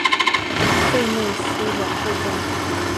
弗内斯两部分。